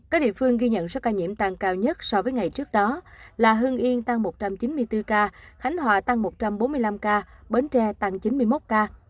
các địa phương ghi nhận số ca nhiễm tăng cao nhất so với ngày trước đó là hương yên tăng một trăm chín mươi bốn ca khánh hòa tăng một trăm bốn mươi năm ca bến tre tăng chín mươi một ca